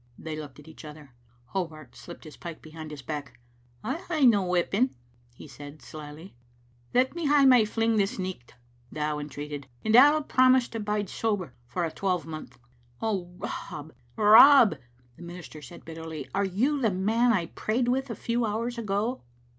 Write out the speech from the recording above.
They looked at each other. Hobart slipped his pike behind his back. " I hae no weapon," he said slily. "Let me hae my fling this nicht," Dow entreated, "and I'll promise to bide sober for a twelvemonth." •*Oh, Rob, Rob!" the minister said bitterly, "are you the man I prayed with a few hours ago?"